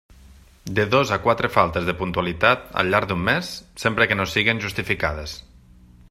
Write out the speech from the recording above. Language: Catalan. De dos a quatre faltes de puntualitat al llarg d'un mes, sempre que no siguen justificades.